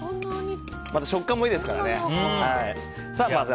食感もいいですからね。